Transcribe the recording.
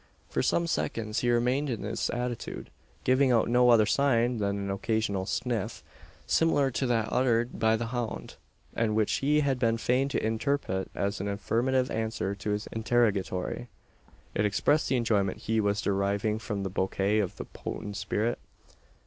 For some seconds he remained in this attitude: giving out no other sign than an occasional "sniff," similar to that uttered by the hound, and which he had been fain to interpret as an affirmative answer to his interrogatory. It expressed the enjoyment he was deriving from the bouquet of the potent spirit.